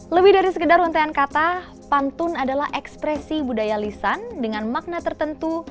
lebih dari sekedar untaian kata pantun adalah ekspresi budaya lisan dengan makna tertentu